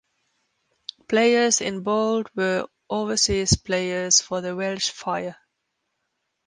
Players in Bold were overseas players for the Welsh Fire.